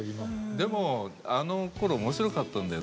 でもあのころ面白かったんだよ